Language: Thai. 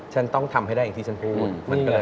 ฉันต้องทำให้ได้อย่างที่ฉันพูดมันก็เลย